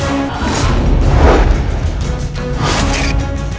jut keletorman yang paling tepat overlap black